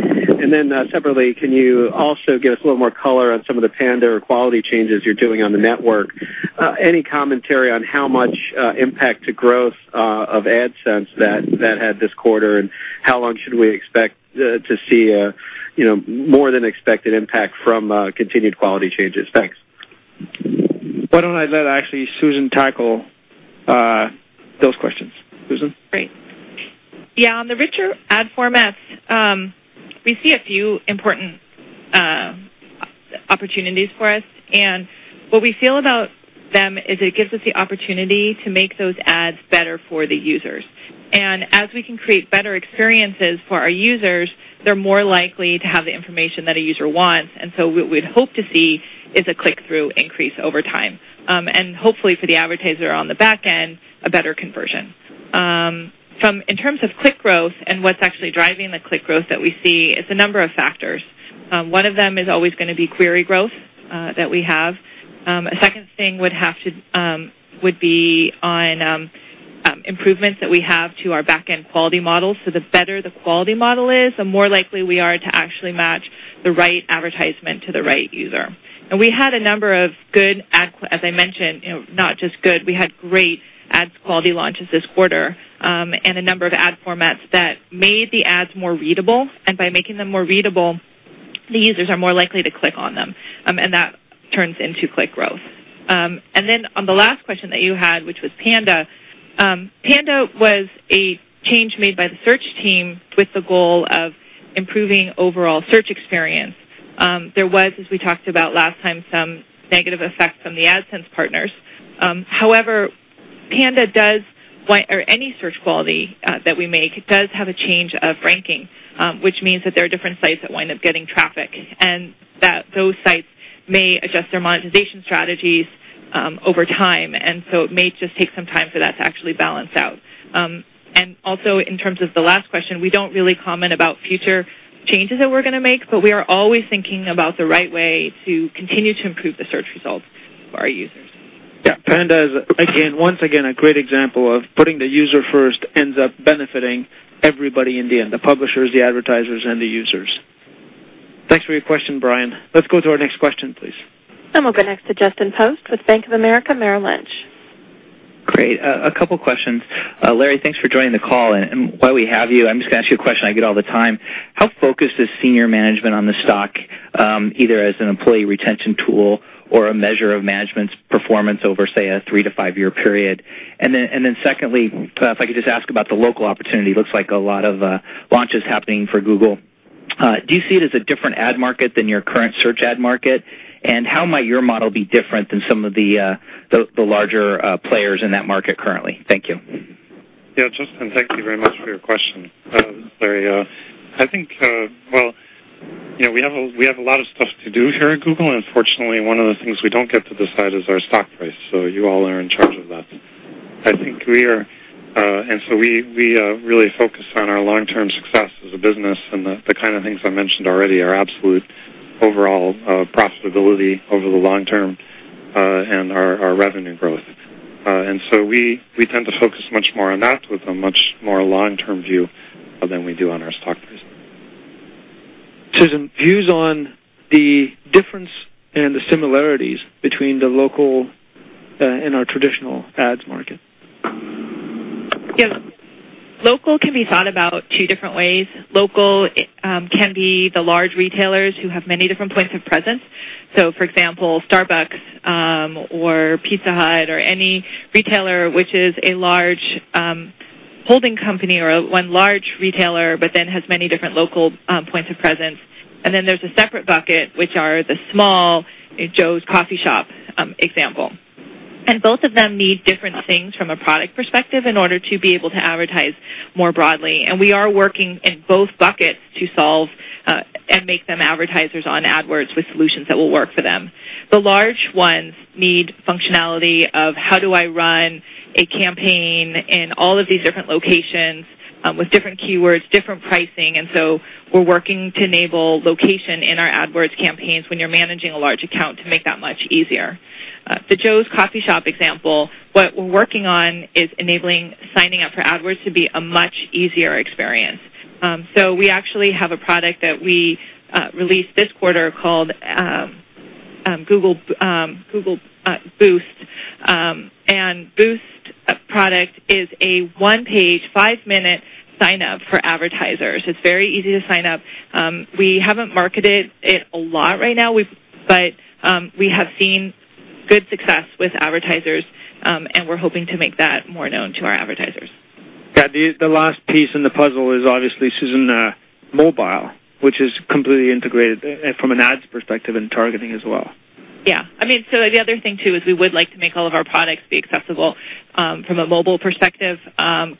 Separately, can you also give us a little more color on some of the Panda or quality changes you're doing on the network? Any commentary on how much impact to growth of AdSense that had this quarter? How long should we expect to see a more than expected impact from continued quality changes? Thanks. Why don't I let Susan tackle those questions? Susan? Great. Yeah, on the richer ad formats, we see a few important opportunities for us. What we feel about them is it gives us the opportunity to make those ads better for the users. As we can create better experiences for our users, they're more likely to have the information that a user wants. What we'd hope to see is a click-through increase over time, and hopefully for the advertiser on the back end, a better conversion. In terms of click growth and what's actually driving the click growth that we see, it's a number of factors. One of them is always going to be query growth that we have. A second thing would be on improvements that we have to our back-end quality model. The better the quality model is, the more likely we are to actually match the right advertisement to the right user. We had a number of good, as I mentioned, not just good, we had great ads quality launches this quarter and a number of ad formats that made the ads more readable. By making them more readable, the users are more likely to click on them. That turns into click growth. On the last question that you had, which was Panda, Panda was a change made by the search team with the goal of improving overall search experience. There was, as we talked about last time, some negative effects on the AdSense partners. However, Panda does, or any search quality that we make, have a change of ranking, which means that there are different sites that wind up getting traffic. Those sites may adjust their monetization strategies over time. It may just take some time for that to actually balance out. Also, in terms of the last question, we don't really comment about future changes that we're going to make. We are always thinking about the right way to continue to improve the search results for our users. Yeah, Panda is, once again, a great example of putting the user first ends up benefiting everybody in the end, the publishers, the advertisers, and the users. Thanks for your question, Brian. Let's go to our next question, please. I'm going to go next to Justin Post with Bank of America Merrill Lynch. Great. A couple of questions. Larry, thanks for joining the call. While we have you, I'm just going to ask you a question I get all the time. How focused is senior management on the stock, either as an employee retention tool or a measure of management's performance over, say, a three-five-year period? Secondly, if I could just ask about the local opportunity. It looks like a lot of launches happening for Google. Do you see it as a different ad market than your current search ad market? How might your model be different than some of the larger players in that market currently? Thank you. Yeah, Justin, thank you very much for your question, Larry. I think we have a lot of stuff to do here at Google. Unfortunately, one of the things we don't get to decide is our stock price. You all are in charge of that. I think we are, and we really focus on our long-term success as a business. The kind of things I mentioned already are absolute overall profitability over the long-term and our revenue growth. We tend to focus much more on that with a much more long-term view than we do on our stock price. Susan, views on the difference and the similarities between the local and our traditional ads market. Local can be thought about two different ways. Local can be the large retailers who have many different points of presence. For example, Starbucks or Pizza Hut or any retailer which is a large holding company or one large retailer, but then has many different local points of presence. There is a separate bucket, which are the small Joe's Coffee Shop example. Both of them need different things from a product perspective in order to be able to advertise more broadly. We are working in both buckets to solve and make them advertisers on AdWords with solutions that will work for them. The large ones need functionality of how do I run a campaign in all of these different locations with different keywords, different pricing? We are working to enable location in our AdWords campaigns when you're managing a large account to make that much easier. The Joe's Coffee Shop example, what we're working on is enabling signing up for AdWords to be a much easier experience. We actually have a product that we released this quarter called Google Boost. The Boost product is a one-page, five-minute sign-up for advertisers. It's very easy to sign up. We haven't marketed it a lot right now, but we have seen good success with advertisers. We're hoping to make that more known to our advertisers. Yeah, the last piece in the puzzle is obviously Susan Mobile, which is completely integrated from an ads perspective and targeting as well. I mean, the other thing, too, is we would like to make all of our products be accessible from a mobile perspective.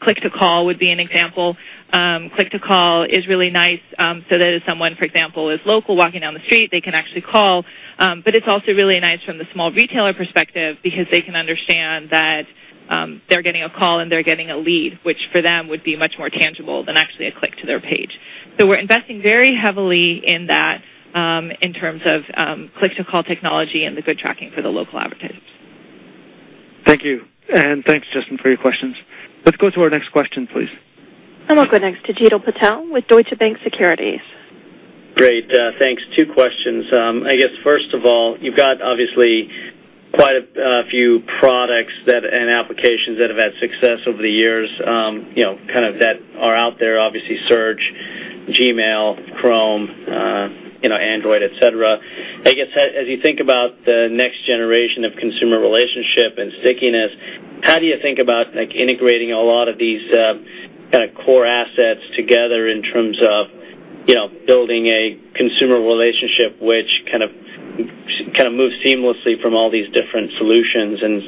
Click-to-call would be an example. Click-to-call is really nice, so that if someone, for example, is local walking down the street, they can actually call. It is also really nice from the small retailer perspective, because they can understand that they're getting a call and they're getting a lead, which for them would be much more tangible than actually a click to their page. We're investing very heavily in that in terms of click-to-call technology and the good tracking for the local advertisers. Thank you. Thanks, Justin, for your questions. Let's go to our next question, please. I'm going to go next to Jeetu Patel with Deutsche Bank Securities. Great, thanks. Two questions. First of all, you've got obviously quite a few products and applications that have had success over the years, kind of that are out there, obviously Search, Gmail, Chrome, Android, etc. As you think about the next generation of consumer relationship and stickiness, how do you think about integrating a lot of these kind of core assets together in terms of building a consumer relationship which kind of moves seamlessly from all these different solutions and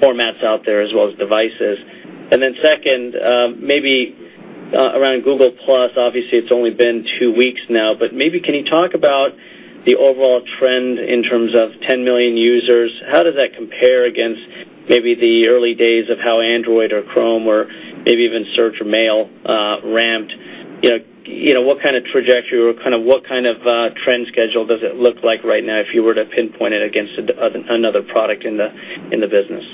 formats out there, as well as devices? Second, maybe around Google+, obviously it's only been two weeks now. Maybe can you talk about the overall trend in terms of 10 million users? How does that compare against maybe the early days of how Android or Chrome or maybe even Search or Mail ramped? What kind of trajectory or kind of what kind of trend schedule does it look like right now if you were to pinpoint it against another product in the business?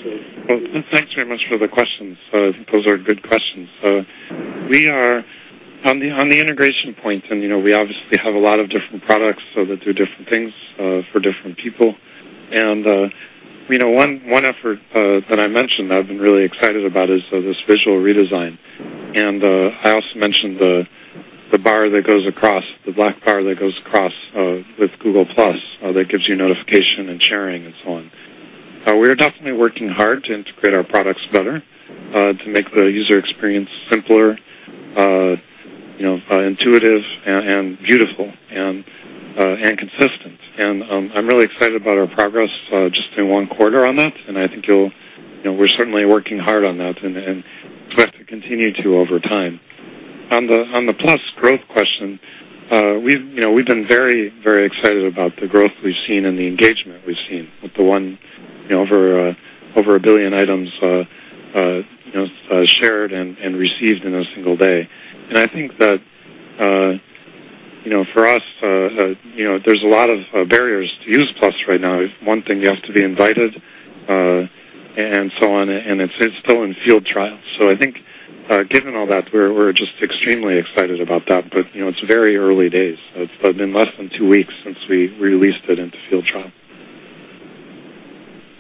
Thanks very much for the questions. I think those are good questions. We are on the integration point. We obviously have a lot of different products so that they're different things for different people. One effort that I mentioned that I've been really excited about is this visual redesign. I also mentioned the bar that goes across, the black bar that goes across with Google+ that gives you notification and sharing and so on. We are definitely working hard to integrate our products better to make the user experience simpler, intuitive, beautiful, and consistent. I'm really excited about our progress just in one quarter on that. I think we're certainly working hard on that and expect to continue to over time. On the + growth question, we've been very, very excited about the growth we've seen and the engagement we've seen with the one over a billion items shared and received in a single day. I think that for us, there's a lot of barriers to use + right now. For one thing, you have to be invited and so on. It's still in field trial. I think given all that, we're just extremely excited about that. It's very early days. It's been less than two weeks since we released it into field trial.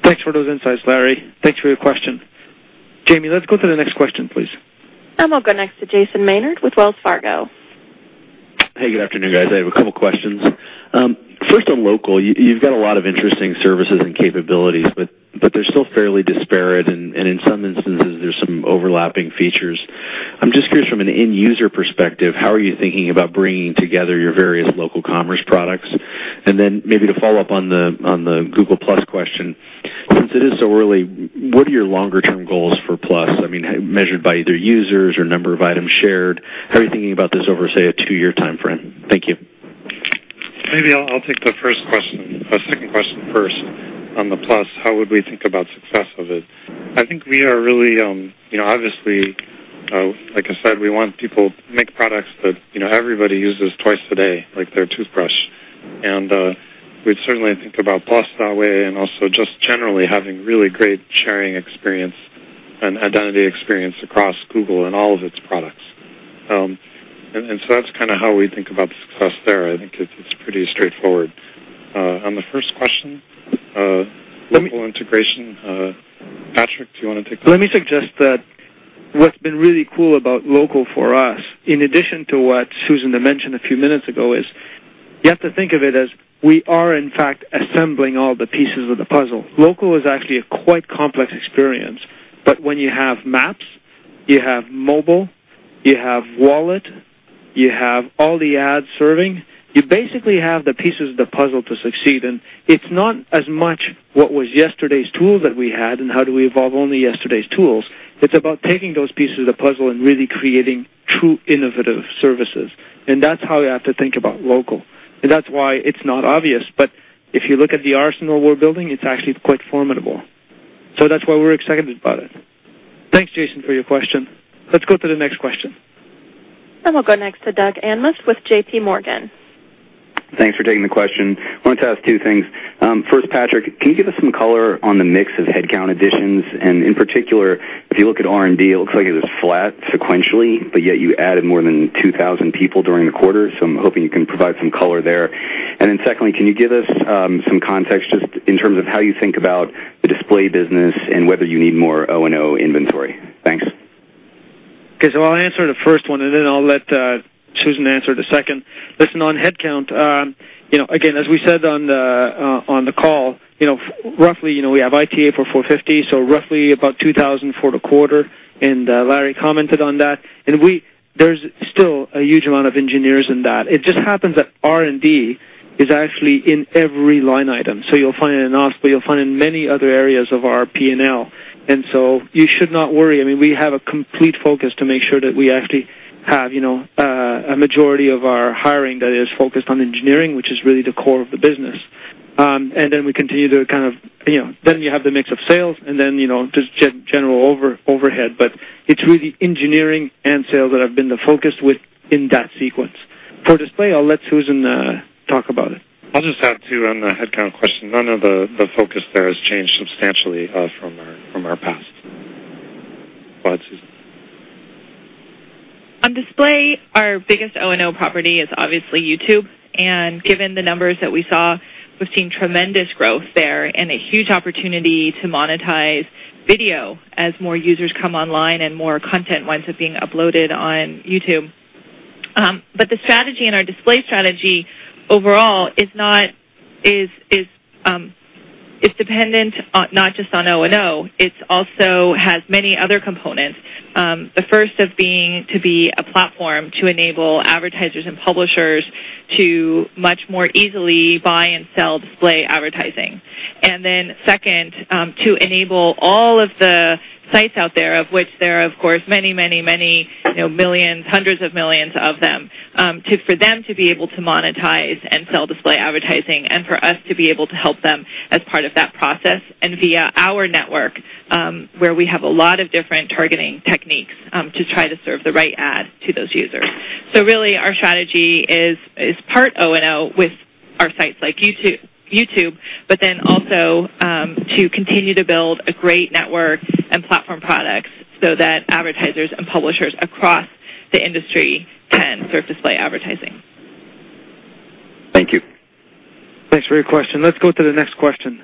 Thanks for those insights, Larry. Thanks for your question. Jamie, let's go to the next question, please. I'm going to go next to Jason Maynard with Wells Fargo. Hey, good afternoon, guys. I have a couple of questions. First on Local, you've got a lot of interesting services and capabilities. They're still fairly disparate. In some instances, there's some overlapping features. I'm just curious, from an end user perspective, how are you thinking about bringing together your various local commerce products? Maybe to follow up on the Google+ question, since it is so early, what are your longer-term goals for +? I mean, measured by either users or number of items shared, how are you thinking about this over, say, a two-year time frame? Thank you. Maybe I'll take the first question and the second question first. On the +, how would we think about the success of it? I think we are really, obviously, like I said, we want people to make products that everybody uses twice a day, like their toothbrush. We certainly think about + that way and also just generally having really great sharing experience and identity experience across Google and all of its products. That's kind of how we think about the success there. I think it's pretty straightforward. On the first question, local integration, Patrick, do you want to take that? Let me suggest that what's been really cool about Local for us, in addition to what Susan mentioned a few minutes ago, is you have to think of it as we are, in fact, assembling all the pieces of the puzzle. Local is actually a quite complex experience. When you have Maps, you have Mobile, you have Wallet, you have all the ads serving, you basically have the pieces of the puzzle to succeed. It's not as much what was yesterday's tool that we had and how do we evolve only yesterday's tools. It's about taking those pieces of the puzzle and really creating true innovative services. That's how you have to think about Local. That's why it's not obvious. If you look at the arsenal we're building, it's actually quite formidable. That's why we're excited about it. Thanks, Jason, for your question. Let's go to the next question. I'm going to go next to Doug Anmuth with JPMorgan. Thanks for taking the question. I wanted to ask two things. First, Patrick, can you give us some color on the mix of headcount additions? In particular, if you look at R&D, it looks like it was flat sequentially, yet you added more than 2,000 people during the quarter. I'm hoping you can provide some color there. Secondly, can you give us some context just in terms of how you think about the Display business and whether you need more O&O inventory? Thanks. OK, so I'll answer the first one. I'll let Susan answer the second. Listen, on headcount, again, as we said on the call, roughly we have ITA for 450. So roughly about 2,000 for the quarter. Larry commented on that. There's still a huge amount of engineers in that. It just happens that R&D is actually in every line item. You'll find it in OS, but you'll find it in many other areas of our P&L. You should not worry. We have a complete focus to make sure that we actually have a majority of our hiring that is focused on engineering, which is really the core of the business. We continue to kind of, then you have the mix of sales and then just general overhead. It's really engineering and sales that have been the focus within that sequence. For Display, I'll let Susan talk about it. I'll just add, too, on the headcount question, none of the focus there has changed substantially from our past. Go ahead, Susan. On display, our biggest O&O property is obviously YouTube. Given the numbers that we saw, we've seen tremendous growth there and a huge opportunity to monetize video as more users come online and more content winds up being uploaded on YouTube. The strategy and our display strategy overall is dependent not just on O&O. It also has many other components, the first being to be a platform to enable advertisers and publishers to much more easily buy and sell display advertising. Second, to enable all of the sites out there, of which there are, of course, many, many, many millions, hundreds of millions of them, for them to be able to monetize and sell display advertising and for us to be able to help them as part of that process and via our network, where we have a lot of different targeting techniques to try to serve the right ad to those users. Really, our strategy is part O&O with our sites like YouTube, but also to continue to build a great network and platform products so that advertisers and publishers across the industry can serve display advertising. Thank you. Thanks for your question. Let's go to the next question.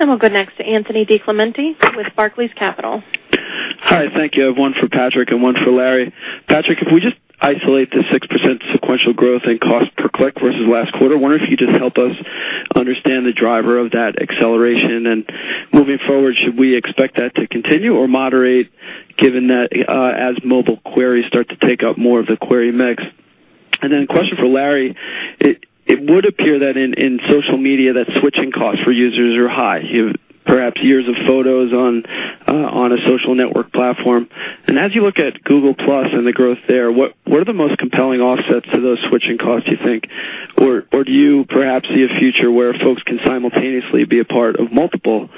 I'm going to go next to Anthony DiClemente with Barclays Capital. All right, thank you. I have one for Patrick and one for Larry. Patrick, if we just isolate the 6% sequential growth in cost-per-click versus last quarter, I wonder if you'd just help us understand the driver of that acceleration. Moving forward, should we expect that to continue or moderate, given that as mobile queries start to take up more of the query mix? A question for Larry. It would appear that in social media, switching costs for users are high, perhaps years of photos on a social network platform. As you look at Google+ and the growth there, what are the most compelling offsets to those switching costs, do you think? Do you perhaps see a future where folks can simultaneously be a part of multiple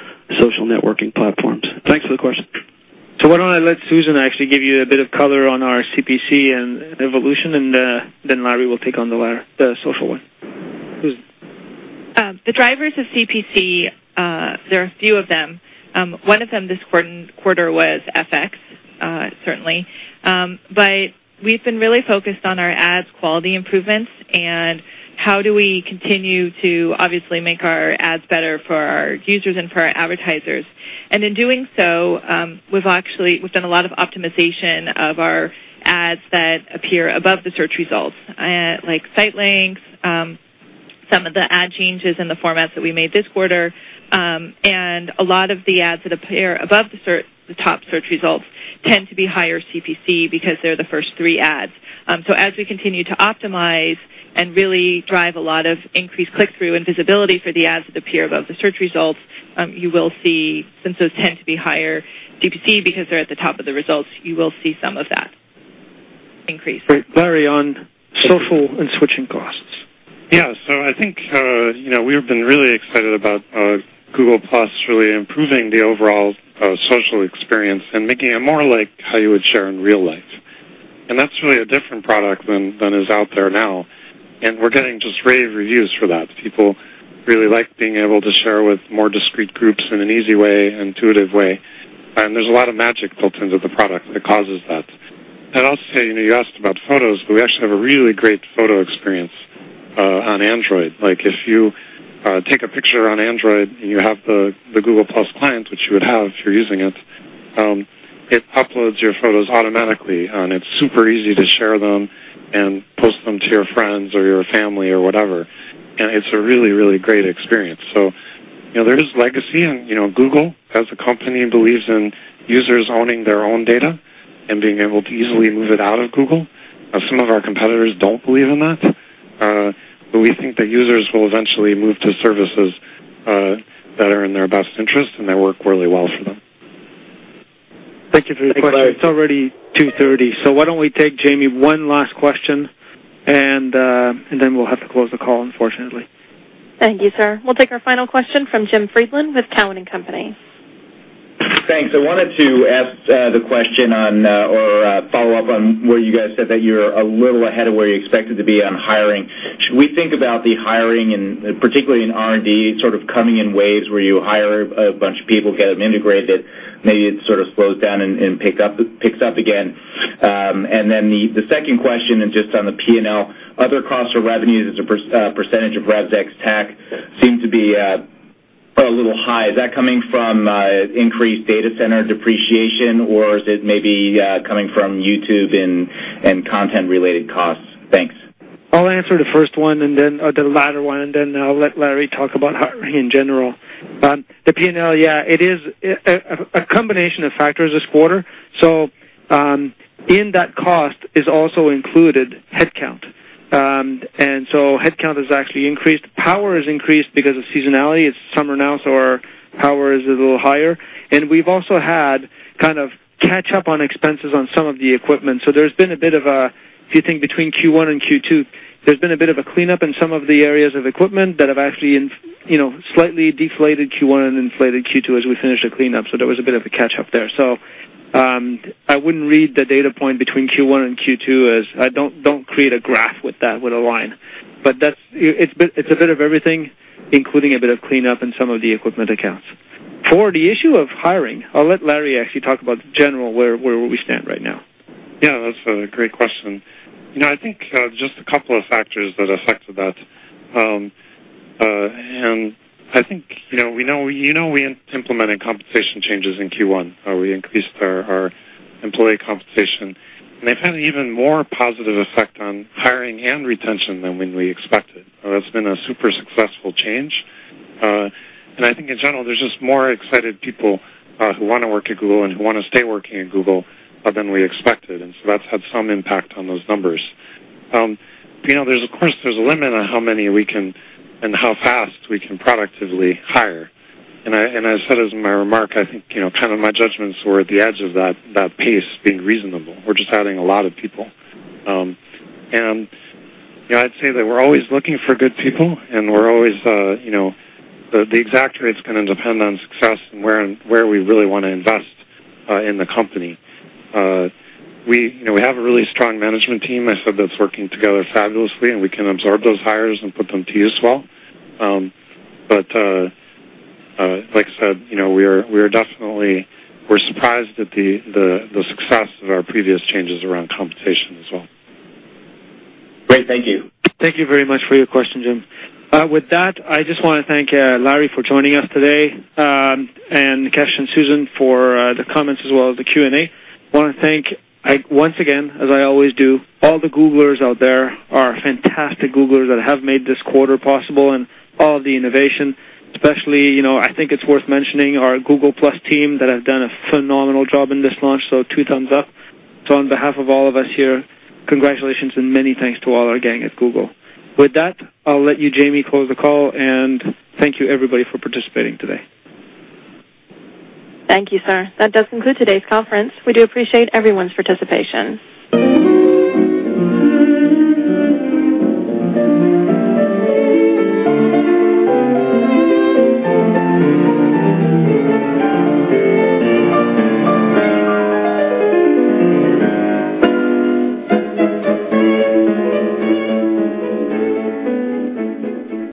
social networking platforms? Thanks for the question. Why don't I let Susan actually give you a bit of color on our CPC and evolution, and then Larry will take on the latter, the social one. The drivers of CPC, there are a few of them. One of them this quarter was FX, certainly. We have been really focused on our ads quality improvements and how we continue to obviously make our ads better for our users and for our advertisers. In doing so, we have actually done a lot of optimization of our ads that appear above the search results, like site links, some of the ad changes in the formats that we made this quarter. A lot of the ads that appear above the top search results tend to be higher CPC because they're the first three ads. As we continue to optimize and really drive a lot of increased click-through and visibility for the ads that appear above the search results, you will see, since those tend to be higher CPC because they're at the top of the results, you will see some of that increase. Larry, on social and switching costs. Yeah, I think we've been really excited about Google+ really improving the overall social experience and making it more like how you would share in real life. That's really a different product than is out there now. We're getting just rave reviews for that. People really like being able to share with more discrete groups in an easy, intuitive way. There's a lot of magic built into the product that causes that. You asked about photos. We actually have a really great photo experience on Android. If you take a picture on Android and you have the Google+ clients, which you would have if you're using it, it uploads your photos automatically. It's super easy to share them and post them to your friends or your family or whatever. It's a really, really great experience. There is legacy. Google as a company believes in users owning their own data and being able to easily move it out of Google. Some of our competitors don't believe in that. We think that users will eventually move to services that are in their best interest and that work really well for them. Thank you for your question. It's already 2:30 P.M., so why don't we take, Jamie, one last question, and then we'll have to close the call, unfortunately. Thank you, sir. We'll take our final question from Jim Friedland with Cowen and Company. Thanks. I wanted to ask the question on or follow up on where you guys said that you're a little ahead of where you expected to be on hiring. Should we think about the hiring, and particularly in R&D, coming in waves where you hire a bunch of people, get them integrated, maybe it slows down and picks up again? The second question is just on the P&L. Other costs for revenues as a percentage of Revs ex-TAC seem to be a little high. Is that coming from increased data center depreciation? Is it maybe coming from YouTube and content-related costs? Thanks. I'll answer the first one and then the latter one. I'll let Larry talk about hiring in general. The P&L, yeah, it is a combination of factors this quarter. In that cost is also included headcount, and headcount has actually increased. Power has increased because of seasonality. It's summer now, so our power is a little higher. We've also had kind of catch up on expenses on some of the equipment. There's been a bit of a, if you think between Q1 and Q2, there's been a bit of a cleanup in some of the areas of equipment that have actually slightly deflated Q1 and inflated Q2 as we finished the cleanup. There was a bit of a catch up there. I wouldn't read the data point between Q1 and Q2 as I don't create a graph with that, with a line. It's a bit of everything, including a bit of cleanup in some of the equipment accounts. For the issue of hiring, I'll let Larry actually talk about generally where we stand right now. Yeah, that's a great question. I think just a couple of factors affected that. I think you know we implemented compensation changes in Q1. We increased our employee compensation, and they've had an even more positive effect on hiring and retention than we expected. That's been a super successful change. I think in general, there's just more excited people who want to work at Google and who want to stay working at Google than we expected. That's had some impact on those numbers. Of course, there's a limit on how many we can and how fast we can productively hire. I said in my remark, I think kind of my judgments were at the edge of that pace being reasonable. We're just adding a lot of people. I'd say that we're always looking for good people, and the exact rate is going to depend on success and where we really want to invest in the company. We have a really strong management team, I said, that's working together fabulously, and we can absorb those hires and put them to use well. Like I said, we're surprised at the success of our previous changes around compensation as well. Great, thank you. Thank you very much for your question, Jim. With that, I just want to thank Larry for joining us today and Nikesh and Susan for the comments as well as the Q&A. I want to thank, once again, as I always do, all the Googlers out there, our fantastic Googlers that have made this quarter possible and all the innovation. Especially, I think it's worth mentioning our Google+ team that has done a phenomenal job in this launch. Two thumbs up. On behalf of all of us here, congratulations and many thanks to all our gang at Google. With that, I'll let you, Jamie, close the call. Thank you, everybody, for participating today. Thank you, sir. That does conclude today's conference. We do appreciate everyone's participation.